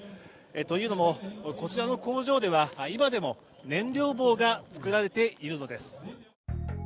というのも、こちらの工場では今でも燃料棒が作られているのです。